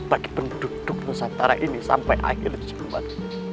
bagi penduduk nusantara ini sampai akhir jumat